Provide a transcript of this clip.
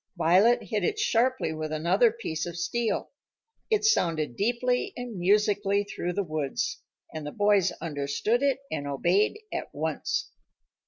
Violet hit it sharply with another piece of steel. It sounded deeply and musically through the woods, and the boys understood it and obeyed at once.